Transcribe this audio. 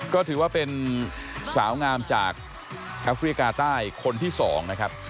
ก็ถือว่าเป็นสาวงามจากแอฟริกาใต้คนที่๒นะครับ